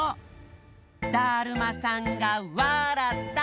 だるまさんがわらった！